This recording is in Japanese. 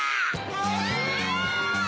うわ！